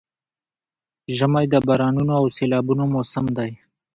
ژمی د بارانونو او سيلابونو موسم دی؛